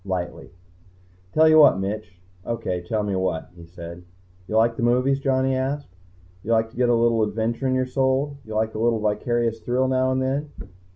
Lightly. "Tell you what, Mitch." "O.K., tell me what," he said. "You like the movies?" Johnny asked. "You like to get a little adventure in your soul? You like a little vicarious thrill now and then?"